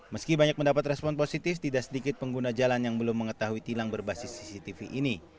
meski banyak mendapat respon positif tidak sedikit pengguna jalan yang belum mengetahui tilang berbasis cctv ini